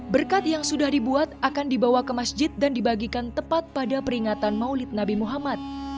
berkat yang sudah dibuat akan dibawa ke masjid dan dibagikan tepat pada peringatan maulid nabi muhammad